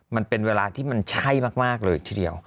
มันเป็นเวลาที่มันใช่มากเลยทีเดียว